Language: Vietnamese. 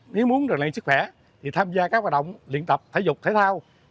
nếu muốn được lấy sức khỏe thì tham gia các hoạt động luyện tập thể dục thể thao